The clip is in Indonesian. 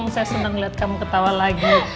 saya senang lihat kamu ketawa lagi